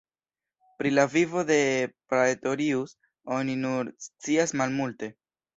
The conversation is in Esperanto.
Pri la vivo de Praetorius oni nur scias malmulte.